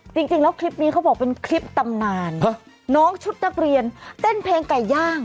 จริงแล้วคลิปนี้เขาบอกเป็นคลิปตำนานน้องชุดนักเรียนเต้นเพลงไก่ย่าง